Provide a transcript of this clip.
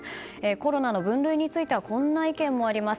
コロナの分類についてはこんな意見もあります。